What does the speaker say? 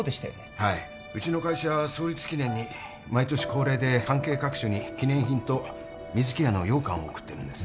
はいうちの会社は創立記念に毎年恒例で関係各所に記念品と水木屋の羊羹を送ってるんです